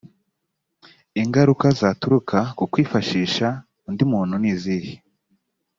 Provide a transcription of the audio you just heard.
ingaruka zaturuka ku kwifashisha undi muntu nizihe